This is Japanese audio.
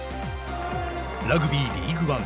ラグビー、リーグワン。